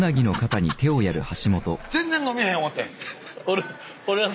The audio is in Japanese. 「全然のめへん思うて」